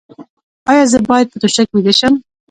ایا زه باید په توشک ویده شم؟